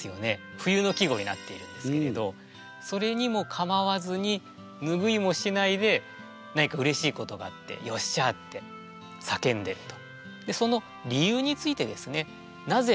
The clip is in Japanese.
冬の季語になっているんですけれどそれにも構わずに拭いもしないで何かうれしいことがあって「よっしゃあ」って叫んでると。